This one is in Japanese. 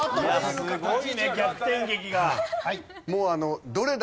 すごいね逆転劇が。